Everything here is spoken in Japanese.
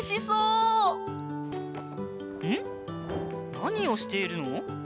なにをしているの？